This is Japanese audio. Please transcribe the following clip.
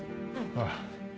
ああ。